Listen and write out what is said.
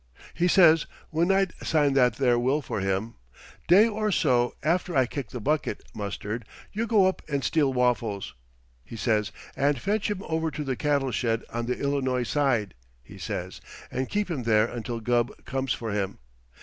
"He says, when I'd signed that there will for him, 'Day or so after I kick the bucket, Mustard, you go up and steal Waffles,' he says, 'and fetch him over to the cattle shed on the Illinoy side,' he says, 'and keep him there until Gubb comes for him.